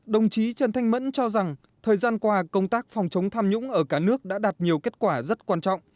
đồng chí trần thanh mẫn cho rằng thời gian qua công tác phòng chống tham nhũng ở cả nước đã đạt nhiều kết quả rất quan trọng